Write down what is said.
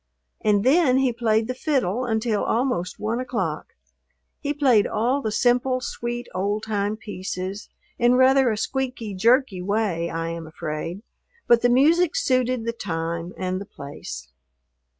And then he played the fiddle until almost one o'clock. He played all the simple, sweet, old time pieces, in rather a squeaky, jerky way, I am afraid, but the music suited the time and the place.